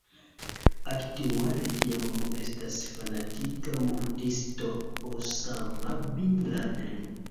Aktuale tia homo estas fanatika murdisto Osama bin Laden.